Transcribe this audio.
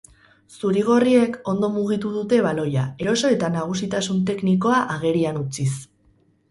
Zurigorriek ondo mugitu dute baloia, eroso eta nagusitasun teknikoa agerian utziz.